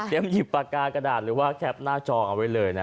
เตรียมหยิบปากกากระดาษหรือแคร็ปหน้าจอเอาไว้เลย